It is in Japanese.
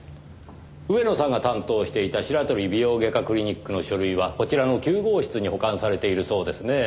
上野さんが担当していた白鳥美容外科クリニックの書類はこちらの９号室に保管されているそうですね。